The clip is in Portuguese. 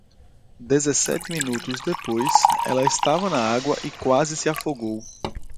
Dezessete minutos depois, ela estava na água e quase se afogou.